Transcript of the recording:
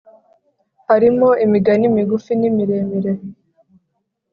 harimo imigani migufi n’imiremire